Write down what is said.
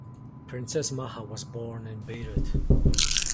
Princess Maha was born in Beirut.